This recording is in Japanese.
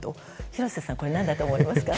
廣瀬さん、何だと思いますか？